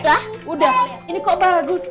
udah ini kok bagus